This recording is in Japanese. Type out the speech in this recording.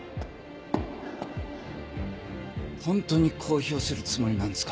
ホントに公表するつもりなんですか？